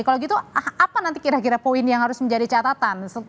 kalau gitu apa nanti kira kira poin yang harus menjadi catatan